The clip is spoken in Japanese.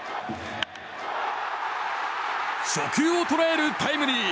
初球を捉えるタイムリー。